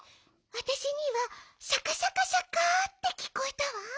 わたしにはシャカシャカシャカってきこえたわ。